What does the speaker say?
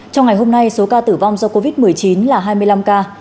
trong ngày hôm nay số ca tử vong do covid một mươi chín là hai mươi năm ca